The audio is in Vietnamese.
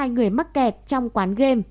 ba mươi hai người mắc kẹt trong quán game